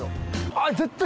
あっ絶対。